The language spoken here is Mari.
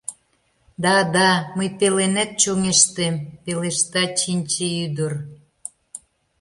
— Да, да, мый пеленет чоҥештем! — пелешта Чинче ӱдыр.